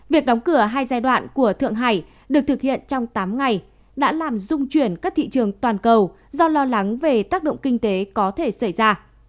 việc đóng cửa hai giai đoạn của thượng hải được thực hiện trong tám ngày đã làm dung chuyển các thị trường toàn cầu do lo lắng về tác động kinh tế có thể xảy ra